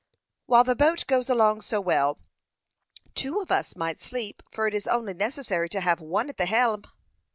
"While the boat goes along so well, two of us might sleep, for it is only necessary to have one at the helm."